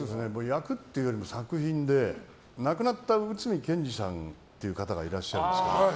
役っていうよりも作品で亡くなった内海賢二さんっていう方がいらっしゃるんですけど。